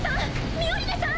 ミオリネさん！